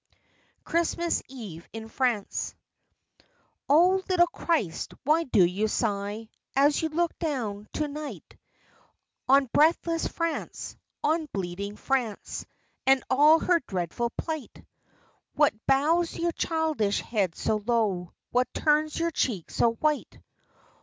CHRISTMAS EVE IN FRANCE Oh little Christ, why do you sigh As you look down to night On breathless France, on bleeding France, And all her dreadful plight? What bows your childish head so low? What turns your cheek so white?